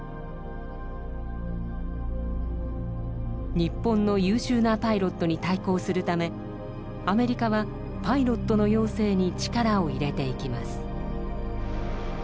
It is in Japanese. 日本の優秀なパイロットに対抗するためアメリカはパイロットの養成に力を入れていきます。